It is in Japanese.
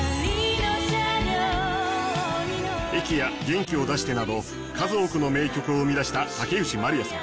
『駅』や『元気を出して』など数多くの名曲を生み出した竹内まりやさん。